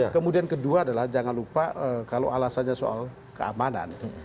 kemudian kedua adalah jangan lupa kalau alasannya soal keamanan